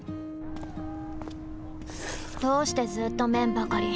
どうしてずーっと麺ばかり！